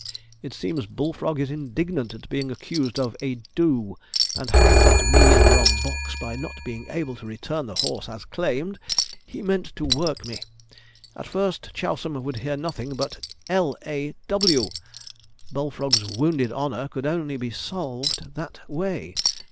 It seems Bullfrog is indignant at being accused of a "do"; and having got me in the wrong box, by not being able to return the horse as claimed, he meant to work me. At first Chousam would hear of nothing but "l a w." Bullfrog's wounded honour could only be salved that way.